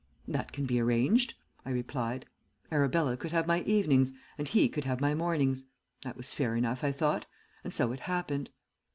"'That can be arranged,' I replied. Arabella could have my evenings, and he could have my mornings. That was fair enough, I thought, and so it happened.